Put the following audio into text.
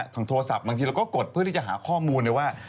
ทางโทรศัพท์บางทีเราก็กดเพื่อที่จะหาข้อมูลเลยว่า